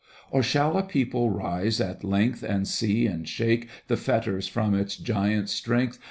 Or shall a people rise at length And see and shake The fetters from its giant strength.